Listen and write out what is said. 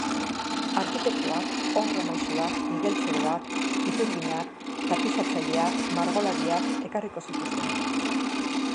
Arkitektoak, obra-maisuak, igeltseroak, iturginak, tapizatzaileak, margolariak ekarriko zituzten.